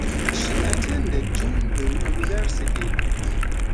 She attended Joongbu University.